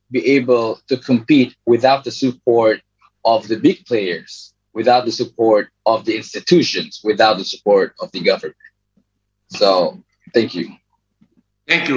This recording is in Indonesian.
mereka tidak akan dapat berkumpul tanpa dukungan dari pemain besar tanpa dukungan dari institusi tanpa dukungan dari pemerintah